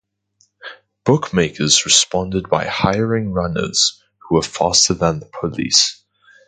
Bookmakers responded by hiring runners who were faster than the police.